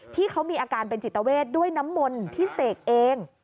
ที่เขามีอาการเป็นจิตเวทด้วยน้ำมนต์ที่เสกเอง